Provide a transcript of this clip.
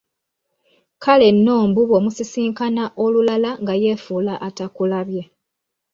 Kale nno mbu bw'omusisinkana olulala nga yefuula atakulabye.